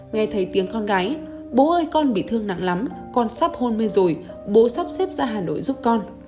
nghe thấy tiếng con gái bố ơi con bị thương nặng lắm con sắp hôn mê rồi bố sắp xếp ra hà nội giúp con